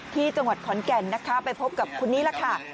ที่จังหวัดขอนแก่นนะคะไปพบกับคนนี้ล่ะค่ะ